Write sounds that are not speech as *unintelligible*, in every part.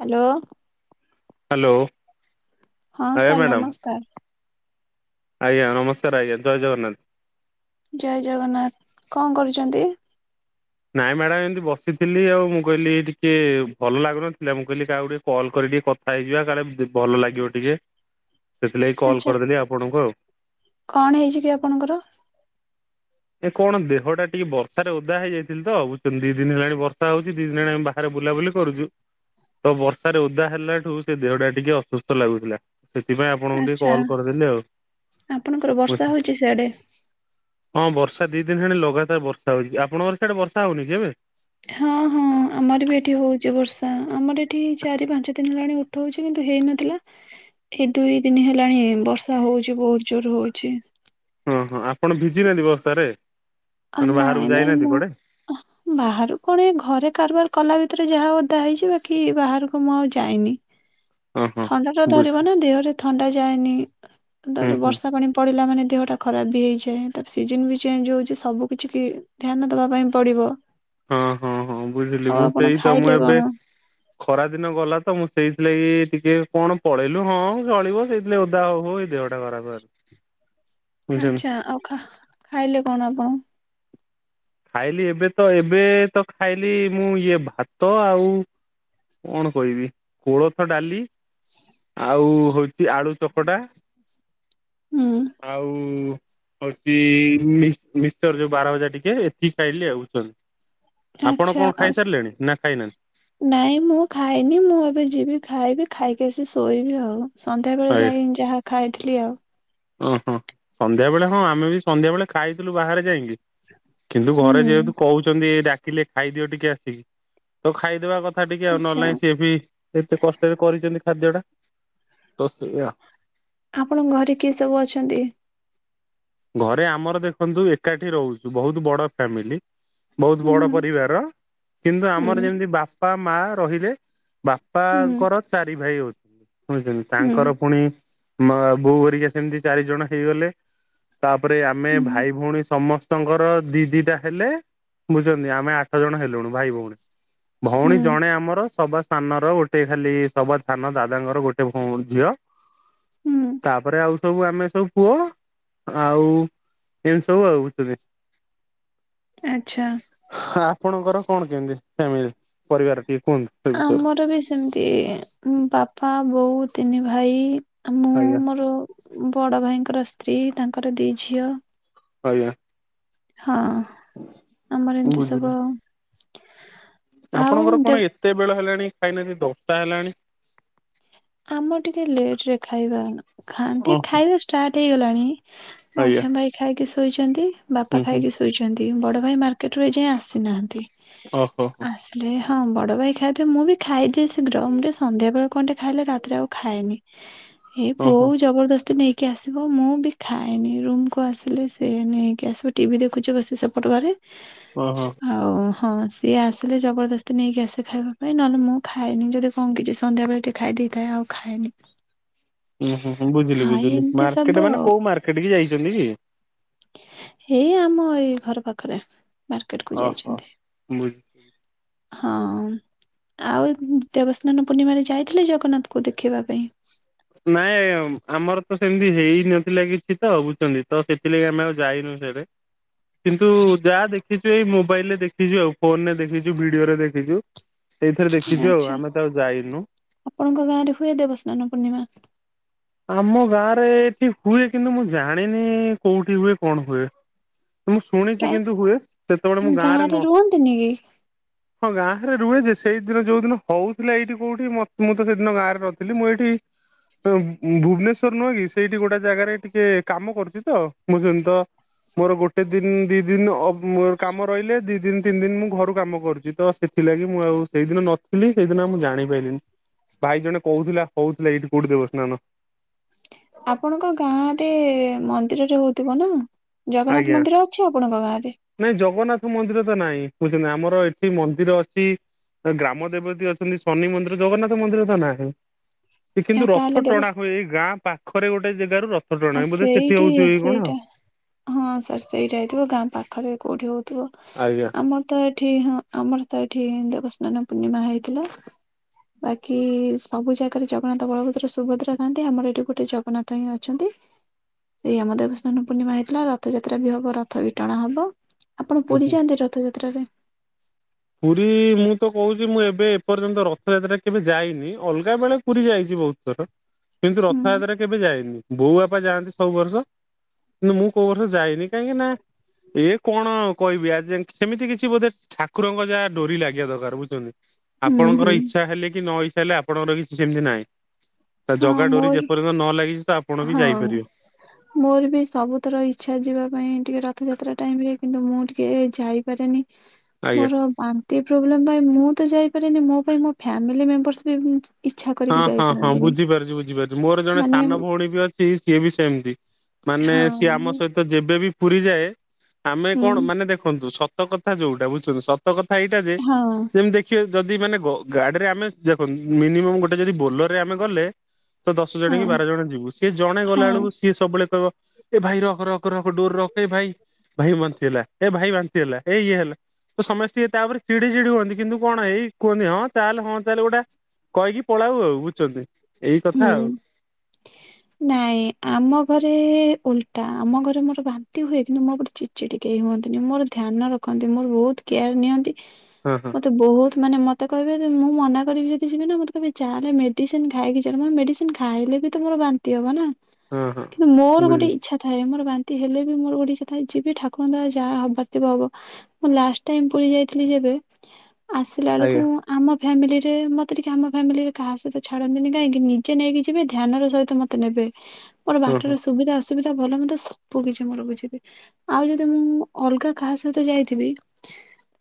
Hello. Hello. ହଁ ଆଜ୍ଞା sir madam ନମସ୍କାର। ଆଜ୍ଞା ନମସ୍କାର ଆଜ୍ଞା ଜୟ ଜଗନ୍ନାଥ। ଜୟ ଜଗନ୍ନାଥ କଣ କରୁଛନ୍ତି। ନାଇଁ ମ୍ୟାଡ଼ାମ ଏମିତି ବସିଥିଲି ଆଉ ମୁଁ କହିଲି ଟିକେ ଭଲ ଲାଗୁନଥିଲା ମୁଁ କହିଲି କାକୁ ଟିକେ କଲ୍ କରି ଟିକେ କଥା ହେଇଯିବା କାଳେ ଭଲ ଲାଗିବ ଟିକେ ସେଥିଲାଗି କଲ୍ ଆଚ୍ଛା କରିଦେଲି ଆପଣଙ୍କୁ ଆଉ। କଣ ହେଇଛି କି ଆପଣଙ୍କର? ଏ କଣ ଦେହ ଟା ଟିକେ ବର୍ଷାରେ ଓଦା ହେଇଯାଇଥିଲି ତ ଦି ଦିନ ହେଲାଣି ବର୍ଷା ହଉଛି ଦି ଦିନ ହେଲାଣି। ବାରେ ବୁଲାବୁଲି କରୁଛୁ ତ ବର୍ଷାରେ ଓଦା ହେଲା ଠୁ ସେ ଦେହ ଟା ଟିକେ ଅସୁସ୍ଥ ଲାଗୁଥିଲା। ସେଥିପାଇଁ ଆପଣଙ୍କୁ ଟିକେ ଆଚ୍ଛା କଲ କରିଦେଲି ଆଉ ବ। ଜାଡେ ହଁ ବର୍ଷା ଦି ଦିନ ହେଲାଣି ଲଗାତାର ବର୍ଷା ହଉଛି ଆପଣଙ୍କର ସିଆଡେ ବର୍ଷା ହଉନି କି ଏବେ। ହଁ ହଁ ଆମର ବି ଏଠି ହଉଛି ବର୍ଷା ଆମର ଏଠି ଚାରି ପାଞ୍ଚ ଦିନ ହେଲାଣି ଉଠୋଉଛି କିନ୍ତୁ ହେଇନଥିଲା ଏଇ ଦୁଇ ଦିନ ହେଲାଣି ବର୍ଷା ହୋଉଛି ବହୁତ ଜୋର ହୋଉଛି। ହଁ ହଁ ଆପଣ ଭିଜିନାହାନ୍ତି ବର୍ଷାରେ। ଅ ମାନେ ବାହାରକୁ ନାଇ ନାଇ ଯାଇନାହାନ୍ତି ମୁଁ। କୁଆଡେ? ବାହାରୁ କଣ ଏ ଘରେ କାରବାର କଲା ଭିତରେ ଯାହା ଓଦା ହେଇଛି ବାକି ବାହାରକୁ ମୁଁ ଆଉ ଯାଇନି। *inaudible* ଥଣ୍ଡା ଟା ବୁଝ ଧରିବ ନା ଦେହରେ ଥଣ୍ଡା ଯାଏନି ହୁଁ ତାପରେ ହୁଁ ବର୍ଷା ପାଣି। ପଡ଼ିଲା ମାନେ ଦେହଟା ଖରାପ ବି ହୋଇଯାଏ ତାପରେ ସିଜନ୍ ବି ଚେଞ୍ଜ ହେଉଛି। ସବୁ କିଛି କି ଧ୍ୟାନ ଦବା ପାଇଁ ପଡିବ। ହଁ ହଁ ହଁ ବୁଝିଲି ଆଉ ମୁଁ ଆପଣ ସେଇ ତ ମୁଁ ଖାଇଲେ ଏବେ। କଣ ଖରା ଦିନ ଗଲା ତ ମୁଁ ସେଇଥିଲାଗି କି ଟିକେ କଣ ପଳେଇଲୁ ହଁ ଚଳିବ ସେଇ ଓଦା ହଉ ହଉ ଏ ଦେହଟା। ଟା ଖରାପ ହେଇଗଲା। ଆଛା ଆଉ ଖା ଖାଇଲେ କଣ ଆପଣ? ଖାଇଲି ଏବେ ତ ଏବେ ତ ଖାଇଲି ମୁଁ ଇଏ ଭାତ ଆଉ। କଣ କହିବି କୋଳଥ ଡାଲି। ଆଉ ହଉଛି ଆଳୁ ଚକଟା। ହୁଁ ଆଉ ହଉଛି ମିଶ୍ଚର ଯୋଉ ବାର ମଜା ଟିକେ। କି ଖାଇଲି ଆଉଛନ। ଆଛା ଆ ନା ଖାଇନାହାନ୍ତି? ନାଇଁ ମୁଁ ଖାଇନି ମୁଁ ଏବେ ଯିବି ଖାଇବି ଖାଇକି ଆସି ଶୋଇବି ଆଉ ସନ୍ଧ୍ୟାବେଳେ ଯାଇ ଯାହା ଖାଇଥିଲି ଆଉ। ଓହୋ ସନ୍ଧ୍ୟା ବେଳେ ହଁ ଆମେ ବି ସନ୍ଧ୍ୟା ବେଳେ ଖାଇଥିଲୁ ବାହାରେ ଯାଇକି। କିନ୍ତୁ ଘରେ ହୁଁ ଯେହେତୁ କହୁଛନ୍ତି ଡାକିଲେ ଖାଇଦିଅ ଟିକେ ଆସିକି ତ ଖାଇଦବା କଥା। କଥା ଟିକେ ଆଉ ଆଚ୍ଛା ନହଲା ସିଏ ବି ଏତେ କଷ୍ଟରେ କରିଛନ୍ତି ଖାଦ୍ୟଟା ତ ସେଇଆ ଆପଣଙ୍କ ଘରେ କିଏ ସବୁ ଅଛନ୍ତି? ଘରେ ଆମର ଦେଖନ୍ତୁ ଏକାଠି ରହୁଛୁ ବହୁତ ବଡ ଫ୍ୟାମିଲି। ବହୁତ ହୁଁ ବଡ ପରିବାର କିନ୍ତୁ ହୁଁ ଆମର ଯେମିତି ବାପା ମା ରହିଲେ। ହୁଁ ବାପାଙ୍କର ଚାରି ଭାଇ ହଉଛନ୍ତି ହଉଛନ୍ତି ହୁଁ ତାଙ୍କର ପୁଣି। ମ ବୋଉ ଘେରିକା ସେମତି ଚାରି ଜଣ ହେଇଗଲେ ତାପରେ ଆମେ ହୁଁ ଭାଇ ଭଉଣୀ ସମସ୍ତେ। ସମସ୍ତଙ୍କର ଦି ଦି ଟା ହେଲେ ବୁଝୁଛନ୍ତି ଆମେ ଆଠ ଜଣ ହେଲୁଣି ଭାଇ ଭଉଣୀ। ହୁଁ ଭଉଣୀ ଜଣେ ଆମର ସବା ସାନ ର ଗୋଟେ ଖାଲି ସବା ସାନ ଦାଦାଙ୍କର ଗୋଟେ ଭଉ ଝିଅ। ହୁଁ ତାପରେ ଆଉ ସବୁ ଆମେ ସବୁ ପୁଅ। ଆଉ ଏମିତି ସବୁ ଆଉ ବୁଝୁଛନ୍ତି। ଆଛା। ଆପଣଙ୍କର କଣ କେମିତି ଫ୍ୟାମିଲି ପରିବାର ଟିକେ କୁହନ୍ତ? ଆମର ବି ସେମିତି ବାପା, ବୋଉ, ତିନି ଭାଇ ଆମ ଆଜ୍ଞା। ରୁ ବଡ ଭାଇଙ୍କର ସ୍ତ୍ରୀ ତାଙ୍କର ଦି ଝିଅ। ଆଜ୍ଞା। ହଁ, ଆମର ଏମିତି ସବୁ ବୁଝିଲି ଆଉ। ଆଉ ଆପଣଙ୍କର କଣ ଦେବ ଏତେ ବେଳ ହେଲାଣି ଖାଇନାହାନ୍ତି ଦଶଟା ହେଲାଣି? ଆମ ଟିକେ ଲେଟ ରେ ଖାଇବା ଖାଆନ୍ତି। ଓ ଖାଇବା ଷ୍ଟାର୍ଟ ହେଇଗଲାଣି। ଆଜ୍ଞା ମଝିଆ ଭାଇ ଖାଇକି ଶୋଇଛନ୍ତି। ବାପା ହୁଁ ହୁଁ ଖାଇକି ଶୋଇଛନ୍ତି। ବଡ ଭାଇ ମାର୍କେଟରୁ ଏଯାଏ ଆସିନାହାନ୍ତି। ଓହୋ ଆସି ପ୍ଲେ ହଁ ବଡ଼ ଭାଇ ଖାଇଦିଏ। ମୁଁ ବି ଖାଇଦିଏ ଶୀଘ୍ର। ମୁଁ ଟିକେ ସନ୍ଧ୍ୟା ବେଳେ କଣ ଟିକେ ଖାଇଲେ ରାତିରେ ଆଉ ଖାଏନି। ଏ ଓହୋ ବୋଉ ଜବରଦସ୍ତି ନେଇ କି ଆସିବ ମୁଁ ବି ଖାଏନି। ରୁମ୍ କୁ ଆସିଲେ ସେ ନେଇକି ଆସିବ ଟିଭି ଦେଖୁଛି ବସି ସେପଟ ଘରେ। *inaudible* ଓ ହ। ଆଉ ହଁ ସିଏ ଆସିଲେ ଜବରଦସ୍ତି ନେଇକି ଆସେ ଖାଇବା ପାଇଁ। ନହେଲେ ମୁଁ ଖାଏନି ଯଦି କଣ କିଛି ସନ୍ଧ୍ୟାବେଳେ ଟିକେ ଖାଇ ଦେଇଥାଏ ଆଉ ଖାଏନି। ଉୁଁ ହୁଁ ବୁଝିଲି ଆ ବୁଝିଲି। ଏମିତି ସବୁ ମାର୍କେଟ ମାନେ ଆଉ କୋଉ ମାର୍କେଟ କି ଯାଇଛନ୍ତି କି? ଏଇ ଆମ ଏଇ ଘର ପାଖରେ। ମାର୍କେଟ କୁ ଓ ହ ଯାଇଛନ୍ତି ମୁଇଁ ହଁ, ଆଉ ଦେବସ୍ନାନ ପୂର୍ଣ୍ଣିମାରେ ଯାଇଥିଲେ ଜଗନ୍ନାଥ କୁ ଦେଖିବା ପାଇଁ? ନାଇଁ ଆମର ତ ସେମିତି ହେଇ ନଥିଲା କିଛି ତ ବୁଝଛନ୍ତି। ତ ସେଥିଲାଗି ଆମେ ଆଉ ଯାଇନୁ ସିଆଡେ। ଁ *inaudible* କିନ୍ତୁ ଯାହା ଦେଖିଛୁ ଏଇ ମୋବାଇଲ ରେ ଦେଖିଛୁ ଆଉ। ଫୋନରେ ଦେଖିଛୁ, ଭିଡିଓରେ ଦେଖିଛୁ। ଏଇଥରେ ଦେଖିଛୁ ଆଉ ଆଚ୍ଛା ଆମେ ତ ଆଉ ଯାଇନୁ। ଆପଣଙ୍କ ଗାଁ ରେ ହୁଏ ଦେବସ୍ନାନ ପୂର୍ଣ୍ଣିମା? ଆମ ଗାଁରେ ଏଠି ହୁଏ କିନ୍ତୁ ମୁଁ ଜାଣିନି କୋଉଠି ହୁଏ କଣ ହୁଏ। ମୁଁ ଶୁଣିଚି କାଇଁ କିନ୍ତୁ ହୁଏ। ସେତେବେଳେ ମୁଁ ଗାଁ ରେ ନ ହଁ ଗାଁ ରେ ରୁହେ ଯେ, ସେଇଦିନ ଯୋଉ ଦିନ ହଉଥିଲା ଏଇଠି କୋଉଠି ମ ମୁଁ ତ ସେଦିନ ଗାଁରେ ନଥିଲି। ମୁଁ ଏଠି *unintelligible* ଭୁବନେଶ୍ଵର ନୁହେଁ କି ସେଇଠି ଗୋଟେ ଜାଗାରେ ଟିକେ କାମ କରୁଛି ତ। ମୁଁ ଯେନ୍ ତ ମୋର ଗୋଟେ ଦିନ ଦି ଦିନ ଅ କାମ ରହିଲେ ଦି ଦିନ ତିନି ଦିନ ମୁଁ ଘରୁ କାମ କରୁଛି। ତ ସେଥିଲାଗି ମୁଁ ଆଉ ସେଇଦିନ ନଥିଲି ସେଇଦିନ ଆଉ ମୁଁ ଜାଣିପାଇଲିିନି। ଭାଇ ଜଣେ କହୁଥିଲା ହଉଥିଲା ଏଇଠି କୋଉଠି ଦେବ ସ୍ନାନ। ଆପଣଙ୍କ ଗାଁ ରେ ମନ୍ଦିରରେ ହଉଥିବ ନା? ଜଗନ୍ନାଥ ଆଜ୍ଞା ମନ୍ଦିର ଅଛି ଆପଣଙ୍କ ଗାଁ ରେ? ନାଇଁ ଜଗନ୍ନାଥ ମନ୍ଦିର ତ ନାଇଁ ବୁଝଛନ୍ତି ଆମର ଏଠି ମନ୍ଦିର ଅଛି। ଗ୍ରାମ ଦେବତୀ ଅଛନ୍ତି, ଶନି ମନ୍ଦିର, ଜଗନ୍ନାଥ ମନ୍ଦିର ତ ନାହିଁ। ସେ ଆ କିନ୍ତୁ ତାହେଲେ ରଥ ଦେବ ଟଣା ହୁଏ। ଏ ଗାଁ ପାଖରେ ଗୋଟେ ଜାଗାରୁ ର ଆଉ *unintelligible* ବୋଧେ ସେଠି ସେଇଠି ହଉଥିବ କି କଣ ଆଉ। ସେଇଟା ହଁ ସାର୍ ସେଇଟା ହେଇଥିବ। ଗାଁ ପାଖାପାଖି କୋଉଠି ହଉଥିବ। ଆଜ୍ଞା। ଆମର ତ ଏଠି ହଁ ଆମର ତ ଏଠି ଦେବସ୍ନାନ ପୂର୍ଣ୍ଣିମା ହେଇଥିଲା। ବାକି ସବୁ ଜାଗାରେ ଜଗନ୍ନାଥ, ବଳଭଦ୍ର, ସୁଭଦ୍ରା ଥାନ୍ତି। ଆମର ଏଠି ଗୋଟେ ଜଗନ୍ନାଥ ହିଁ ଅଛନ୍ତି। ଏଇ ଆମ ଦେବସ୍ନାନ ପୂର୍ଣ୍ଣିମା ହେଇଥିଲା। ରଥଯାତ୍ରା ବି ହବ। ରଥ ବି ଟଣା ହବ। ଆପଣ ହୁଁ ପୁରୀ ହୁଁ। ଯାଆନ୍ତି ରଥଯାତ୍ରାରେ? ପୁରୀ ମୁଁ ତ କହୁଛି ମୁଁ ଏବେ ଏପର୍ଯ୍ୟନ୍ତ ରଥଯାତ୍ରା କେବେ ଯାଇନି ଅଲଗା ବେଳେ ପୁରୀ ଯାଇଛି ବହୁତ ଥର। ଁ କିନ୍ତୁ ହୁଁ ରଥଯାତ୍ରା କେବେ ଯାଇନି ବୋଉ ବାପା ଯାଆନ୍ତି ସବୁ ବର୍ଷ କିନ୍ତୁ ମୁଁ କୋଉ ବର୍ଷ ଯାଇନି। କାହିଁକି ନା ଏ କଣ କହିବି ଆ ସେମିତି କିଛି ବୋଧେ ଠା ଠାକୁରଙ୍କ ଯାହା ଡୋରି ଲାଗିବା ଦରକାର ବୁଝୁଛନ୍ତି ହୁଁ ଆପଣଙ୍କର ହୁଁ ଇଛା ଇଛା ହେଲେ କି ନ ଇଛା ହେଲେ ଆପଣଙ୍କର କିଛି ସେମିତି ନାଇଁ ତା ହଁ ଜଗା ଡୋରି ମୋର ଯେପର୍ଯ୍ୟନ୍ତ ନ ଲାଗିଚି ତ ଆପ ହଁ। *unintelligible* ମୋର ବି ସବୁଥର ଇଚ୍ଛା ଯିବା ପାଇଁ ଟିକେ ରଥଯାତ୍ରା ଟାଇମ୍ରରେ କିନ୍ତୁ ମୁଁ ଟିକେ ଯାଇପାରେନି। *unintelligible* ଆଜ୍ଞା। ମୋର ବାନ୍ତି ପ୍ରୋବ୍ଲେମ ପାଇଁ ମୁଁ ତ ଯାଇପାରିନି ମୋ ପାଇଁ ମୋ ଫ୍ୟାମିଲି ମେମ୍ବରସ ବି ଇଚ୍ଛା ହଁ କରିକି ହଁ ହଁ ଯାଇପାରନ୍ତିନି ବୁଝିପାରୁଛି ବୁଝିପାରୁଛି ମୋର ଜଣେ ମାନେ ସାନ ଭଉଣୀ ବି ଅଛି ସିଏ ବି ସେମିତି ମାନେ ହଁ ସିଏ ଆମ ସହିତ ଯେବେବି ପୁରୀଯାଏ ଆମେ ହୁଁ କଣ ମାନେ ଦେଖନ୍ତୁ ସତ କଥା ଯଉଟା ବୁଝଛନ୍ତି ସତ କଥା ଏଇଟା ହଁ ଯେମିତି କିଏ ଯଦି ମାନେ ଗାଡ଼ିରେ ଆମେ ଦେଖନ୍ତୁ ମିନିମମ୍ ଗୋଟେ ଯଦି ବୋଲରରେ ଆମେ ଗଲେ ତ ଦଶ ଜଣ କି ହଁ ବାର ଜଣ ଯିବୁ ସିଏ ଜଣେ ଗଲା ହଁ ବେଳକୁ ସିଏ ସବୁବେଳେ କହିବ ଏ ଭାଇ ରଖ ରଖ ରଖ ଡୋର ରଖ ଏ ଭାଇ ଭାଇ ବାନ୍ତି ହେଲା ଏ ଭାଇ ବାନ୍ତି ହେଲା ଏ ଇଏ ହେଲା ତ ସମସ୍ତେ ଟିକେ ତାପରେ ଚିଡି ଚିଡି ହୁଅନ୍ତି କିନ୍ତୁ କଣ ଏଇ କୁହନ୍ତି ହଁ ଚାଲେ ହଁ ଚାଲେ ଗୋଟେ କହିକି ପଳାଉ ଆଉ ବୁଝଛନ୍ତି? ଉଁ ହୁଁ *unintelligible* ନାଇଁ ଆମ ଘରେ ଓଲଟା ଆମ ଘରେ ମୋର ବାନ୍ତି ହୁଏ କିନ୍ତୁ ମୋତେ ଚି ଚିଡି କେହି ହୁଅନ୍ତିନି ମୋର ଧ୍ୟାନ ରଖନ୍ତି ମୋର ବହୁତ କେୟାର ନିଅନ୍ତି। ହୁଁ ହୁଁ। ମତେ ବହୁତ ମାନେ ମତେ କହିବେ ଜେ ମୁଁ ମନା କରିବି ଯଦି ଯିବି ନା ମତେ କହିବେ ଚାଲେ ମେଡିସିନ ଖାଇକି ଯିବୁ। ମେଡିସିନ ଖାଇଲେ ବି ତ ମୋର ବାନ୍ତି ହବ ନା ହଁ ହଁ। କିନ୍ତୁ ମୋର ଗୋଟେ ବୁଝୁଛି ଇଛା ଥାଏ ମୋର ବାନ୍ତି ହେଲେ ବି ମୋର ଗୋଟେ ଇଛା ଥାଏ ଯିବି ଠାକୁରଙ୍କ ଦୟା ଯାହା ହବାର୍ଥିବ ହବ। ମୁଁ ଲାଷ୍ଟ ଟାଇମ ପୁରୀ ଯାଇଥିଲି ଯେବେ ଆସିଲା ବେଳକୁ ଆଜ୍ଞା ଆମ ଫ୍ୟାମିଲିରେ ମତେ ଟିକେ ଆମ ଫ୍ୟାମିଲିରେ କାହା ସହିତ ଛାଡନ୍ତିନି କାହିଁକି ନିଜେ ନେଇକି ଯିବେ ଧ୍ୟାନ ର ସହିତ ମତେ ନେବେ ମୋର ହଁ ହଁ ବାଟର ସୁବିଧା ଅସୁ ସୁବିଧା ଭଲ ମନ୍ଦ ସବୁ କିଛି ମୋର ବଝିବେ। ଆଉ ଯଦି ମୁଁ ଅଲଗା କାହା ସହିତ ଯାଇଥିବି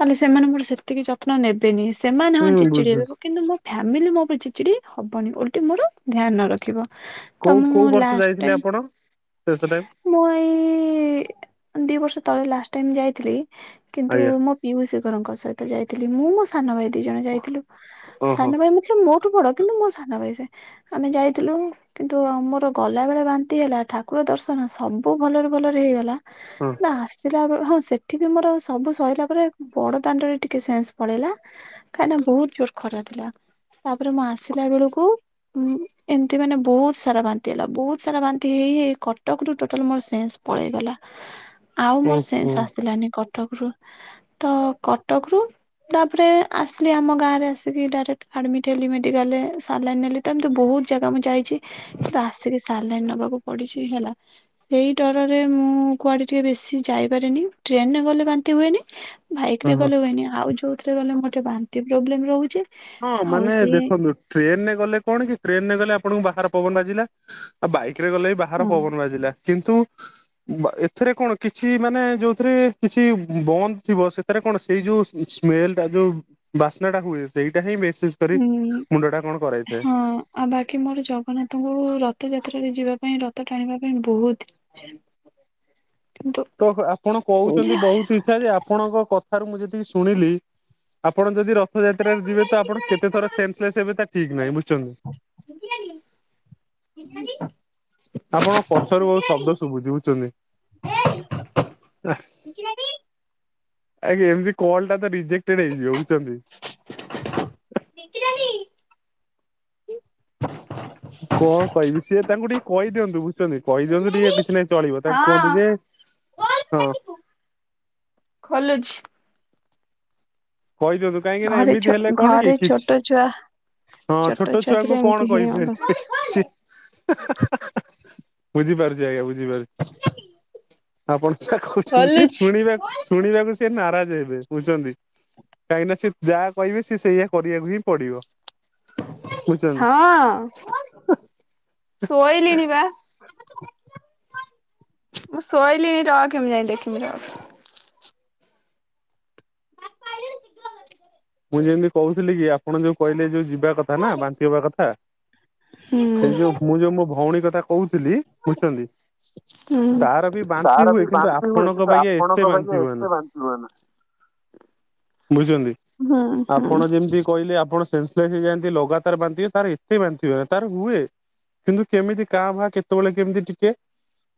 ନହଲେ ସେମାନଙ୍କର ସେତିକି ଯତ୍ନ ନେବେନି। ସେମାନେ ହଁ ଚିଡ଼ ହୁଁ ଚିଡ଼ି ବୁଝୁଛି ହେବେ କିନ୍ତୁ ମୋ ଫ୍ୟାମିଲି ମୋ ଉପରେ ଚିଡ଼ ଚିଡ଼ି ହବନି ଓଲଟିି ମୋର ଧ୍ୟାନ ରଖିବ। ତ କୋଉ କୋଉ ମୁଁ ବର୍ଷ ଲାଷ୍ଟ ଯାଇଥିଲେ ଟାଇ ଆପଣ? ଶେଷ ଟାଇମ୍ ମୁଁ ଏଇ ଦି ବର୍ଷ ତଳେ ଲାଷ୍ଟ ଟାଇ ଯାଇଥିଲି କିନ୍ତୁ ଆଜ୍ଞା ମୋ ପିଉସୀ ଘରଙ୍କ ସହିତ ଯାଇଥିଲି ମୁଁ ମୋ ସାନ ଭାଇ ଦି ଜଣ ଯାଇଥିଲୁ ଓହୋ ସାନ ଭାଇ ମୁଁ ମୋଠୁ ବଡ କିନ୍ତୁ ମୋ ସାନ ଭାଇ ସେ ଆମେ ଯାଇଥିଲୁ କିନ୍ତୁ ମୋର ଗଲା ବେଳେ ବାନ୍ତି ହେଲା ଠାକୁର ଦର୍ଶନ ସବୁ ଭଲରେ ଭଲରେ ହେଇଗଲା। ହଁ ନା ଆସିଲା ବେଳୁ ହଁ ସେଠ ସେଠି ବି ମୋର ସବୁ ସଇଲା ପରେ ବଡ ଦାଣ୍ଡରେ ଟିକେ ସେନ୍ସ ପଳେଇଲା। କାହିଁକିନା ବହୁତ ଜୋର ଖରା ଥିଲା ତାପରେ ମୁଁ ଆସିଲା ବେଳକୁ ଏମିତି ମାନେ ବହୁତ ସାରା ବାନ୍ତି ହେଲା ବହୁତ ସାରା ବାନ୍ତି ହେଇ ହେଇ କଟକରୁୁ ଟୋଟାଲ ମୋର ସେନ୍ ପଳେଇଗଲା। *unintelligible* ଆଉ ମୋର ସେନସ୍ ହଁ ଆସିଲାନି କଟକରୁ ତ କଟକରୁ ତାପରେ ଆସିଲି ଆମ ଗାଁରେ ଆସିକି ଡାଇରେକ୍ଟ ଆଡମିଟ୍ ହେଲି ମେଡିକାଲ୍ ରେ ସଲାଇନ୍ ନେଲି ତ ଏମିତି ବହୁତ ଜାଗା ମୁଁ ଯାଇଛି *unintelligible* ତ ଆସିକି ସାଲାଇନ୍ ନେବାକୁ ପଡିଛି ହେଲା ସେଇ ଡରରେ ମୁଁ କୁଆଡେ ଟିକେ ବେଶୀ ଯାଇପାରିନି ଟ୍ରେନ୍ ରେ ଗଲେ ବାନ୍ତି ହୁଏନି। ବାଇକରେ ହଁ। ଗଲେ ହୁଏନି ଆଉ ଯୋଉଥିରେ ରେ ଗଲେ ମତେ ବାନ୍ତି ପ୍ରୋବ୍ଲେମ୍ ରହୁଛି। ହଁ ଆଉ ମାନେ ସେ ଦେଖନ୍ତୁ ଟ୍ରେନ୍ ରେ ଗଲେ କଣ କି ଟ୍ରେନ୍ ରେ ଗଲେ ଆପଣଙ୍କୁ ବାହାର ପବନ ବାଜିଲା ଆଉ ବାଇକ ରେ ଗଲେ ବି ବାହାର ହଁ ପବନ ବାଜିଲା କିନ୍ତୁ ଏଥିରେ କଣ କିଛି ମାନେ ଯୋଉଥିରେ କିଛି ବନ୍ଦ ଥିବ ସେଥିରେ କଣ ସେଇ ଯୋଉ ସ୍ମେଲ୍ ଟା ଯୋଉ ବାସ୍ନା ଟା ହୁଏ ସେଇଟା ହିଁ ବିଶେଷ କରି ହୁଁ ମୁଣ୍ଡ ଟା କଣ କରାଇଥାଏ। ହଁ ଆଉ ବାକି ମୋର ଜଗନ୍ନାଥଙ୍କୁ ରଥ ଯାତ୍ରାରେ ଯିବା ପାଇଁ ରଥ ଟାଣିବା ପାଇଁ ବହୁତ୍ *unintelligible* ତ ଆପଣ କହୁଚନ୍ତି ବହୁତ୍ ଇଚ୍ଛା ଯେ ଆପଣଙ୍କ କଥାରୁ ମୁଁ ଯେତିକି ଶୁଣିଲି ଆପଣ ଯଦି ରଥଯାତ୍ରାରେ ଯିବେ ତ ଆପଣ କେତେ ଥର ସେନ୍ସଲେସ୍ ହେବେ ତା ଠିକ୍ ନାହିଁ ବୁଝଛନ୍ତି। *inaudible* ଆପଣ ପଛରୁ ବହୁତ୍ ଶବ୍ଦ ଶୁଭୁଛି ବୁଝୁଛନ୍ତି। *unintelligible* ଆଜ୍ଞ ଏମତି କଲ୍ ଟା ତ ରିଜେଟେଡ୍ ହେଇଯିବ ବୁଝଛନ୍ତି। *inaudible* କଣ କହିବି ସିଏ ତାଙ୍କୁ ଟିକେ କହିଦିଅନ୍ତୁ ବୁଝଛନ୍ତି କହିଦିଅନ୍ତୁ ଟିକେ କିଛି ନାଇଁ ଚଳିବ ତାଙ୍କୁ କୁହନ୍ତୁ ଯେ ହଁ ଖୋଲୁଚି। କହିଦିଅନ୍ତୁ କାହିଁକି ନା ଘରେ ଛୋ ଏମିତି ହେଲେ କଣ କି ଘରେ କିଛି ଛୋଟ ଛୁଆ ହଁ ଛୋଟ ଛୁଆ ଥିଲେ ଛୁଆଙ୍କୁ ଏମିତି କଣ ହିଁ ଅବସ୍ଥା। କହିପାରିବେ ବୁଝିପାରୁଛି ଆଜ୍ଞା ବୁଝିପାରୁଛି। ଆପଣ ଯା କହୁଛନ୍ତି ସେ ଖୋଲୁଛି ଶୁଣିବାକୁ-ଶୁଣିବାକୁ ସିଏ ନାରାଜ ହେବେ ବୁଝୁଛନ୍ତି। କାହିଁକିନା ସେ ଯାହା କହିବେ ସି ସେଇଆ କରିବାକୁ ହିଁ ପଡିବ। ବୁଝୁଛନ୍ତି। ହଁ ଶୋଇଲିଣି ବା। ମୁଁ ଶୋଇଲିଣି ରଖେ ମୁଁ ଯାଇଁ ଦେଖିବି ରଖେ। ମୁଁ ଯେମିତି କହୁଥିଲି କି ଆପଣ ଯୋଉ କହିଲେ ଯୋଉ ଯିବା ନା ବାନ୍ତି ହବା କଥା ହୁଁ ସେଇ ଯୋଉ ମୁଁ ଯୋଉ ମୋ ଭଉଣୀ କଥା କହୁଥିଲି ବୁଝୁଛନ୍ତି। ହୁଁ। ତାର ବି ବାନ୍ତି ତାର ହୁଏ ବି କିନ୍ତୁ ବାନ୍ତି ହୁଏ ଆପଣଙ୍କ କିନ୍ତୁ ବାଗିଆ ଆପଣଙ୍କ ଏତେ ବାଗିଆ ବାନ୍ତି ଏତେ ହୁଏନା। ବାନ୍ତି ହୁଏ ନା। ବୁଝୁଛନ୍ତି। ହୁଁ ହୁଁ ଆପଣ ଯେମିତି କହିଲେ ଆପଣ ସେନ୍ସେଲେସ୍ ହେଇଯାଆନ୍ତି ଲଗାତାର ବାନ୍ତିି ତାର ଏତେ ବାନ୍ତିି ହୁଏନା ତାର ହୁଏ। କିନ୍ତୁ କେମିତି ଙ୍କା ଭା କେତେବେଳେ କେମିତି ଟିକେ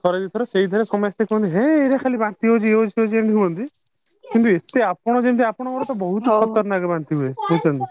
ଥରେ ଦିଥର ସେଇଥରେ ସମସ୍ତେ କୁହନ୍ତି ହେଇ ଏଇଟା ଖାଲି ବାନ୍ତି ହଉଛି ଇଏ ହଉଛି ଏମିତି ହୁଅନ୍ତି। କିନ୍ତୁ ଏତେ ଆପଣ ଯେମିତି ଆପଣଙ୍କର ତ ବହୁତ୍ ହଉ ହଉ। ଖତରନାକ ବାନ୍ତି ହୁଏ ବୁଝଛନ୍ତି।